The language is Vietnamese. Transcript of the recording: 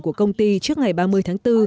của công ty trước ngày ba mươi tháng bốn